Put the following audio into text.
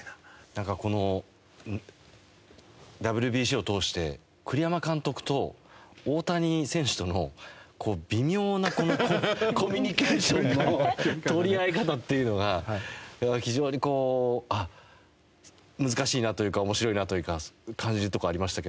なんかこのＷＢＣを通して栗山監督と大谷選手との微妙なコミュニケーションの取り合い方っていうのが非常にこう難しいなというか面白いなというか感じるところありました